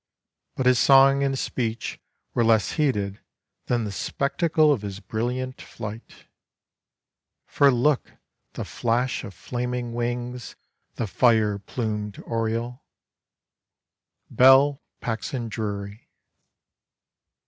But his song and his speech were less heeded than the spectacle of his brilliant flight— "For look! The flash of flaming wings The fire plumed oriole." Belle Paxson Drury.